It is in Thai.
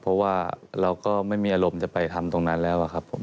เพราะว่าเราก็ไม่มีอารมณ์จะไปทำตรงนั้นแล้วครับผม